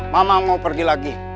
mama mau pergi lagi